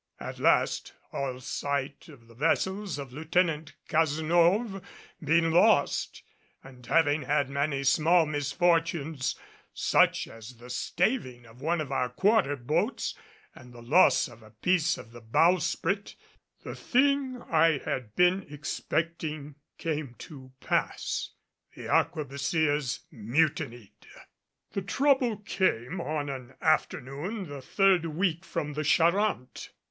At last, all sight of the vessels of Lieutenant Cazenove being lost, and having had many small misfortunes such as the staving of one of our quarter boats and the loss of a piece of the bowsprit the thing I had been expecting came to pass. The arquebusiers mutinied. The trouble came on an afternoon, the third week from the Charente.